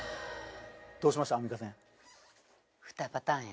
どうしましたアンミカさん。